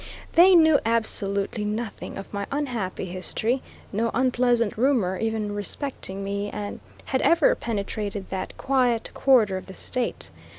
They knew absolutely nothing of my unhappy history no unpleasant rumor even respecting me, had ever penetrated that quiet quarter of the State.